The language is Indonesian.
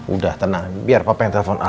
udah tenang biar papa yang telfon al